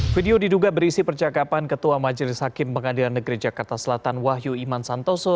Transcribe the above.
video diduga berisi percakapan ketua majelis hakim pengadilan negeri jakarta selatan wahyu iman santoso